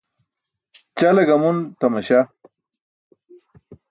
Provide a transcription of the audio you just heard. Ćale gamun tamaśah.